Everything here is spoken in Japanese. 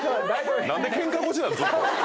何でケンカ腰なの⁉ずっと。